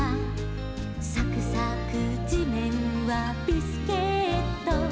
「さくさくじめんはビスケット」